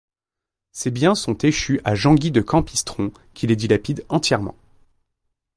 Ses biens sont échus à Jean-Gui de Campistron qui les dilapide entièrement.